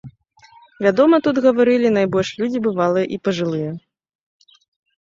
Вядома, тут гаварылі найбольш людзі бывалыя і пажылыя.